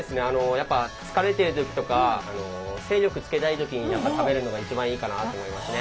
やっぱ疲れてる時とか精力つけたい時にやっぱ食べるのが一番いいかなと思いますね。